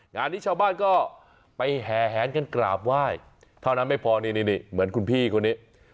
งานนี้ชาวบ้านก็ไปแห่แหนกันกราบไหว้เท่านั้นไม่พอนี่เหมือนคุณพี่คนนี้